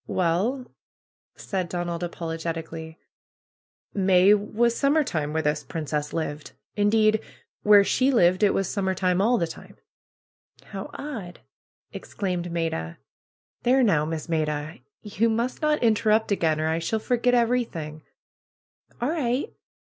"Well," said Donald, apologetically, "May was sum mer time where this princess lived. Indeed, where she lived it was summer time all the time !" "How odd !" exclaimed Maidai "There now. Miss Maida, you must not interrupt again, or I shall forget everything." PRUE'S GARDENER 203 All right!